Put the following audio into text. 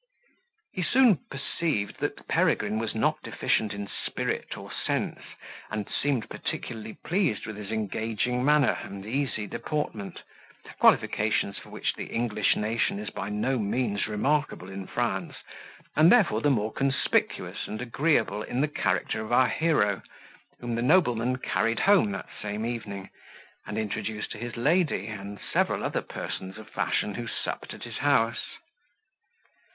He soon perceived that Peregrine was not deficient in spirit or sense, and seemed particularly pleased with his engaging manner and easy deportment, qualifications for which the English nation is by no means remarkable in France, and therefore the more conspicuous and agreeable in the character of our hero, whom the nobleman carried home that same evening, and introduced to his lady and several persons of fashion who supped at his house.